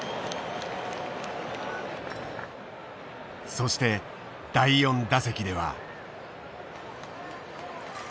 そして第４打席では。